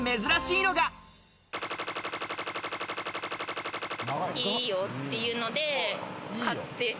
いいよっていうので買って。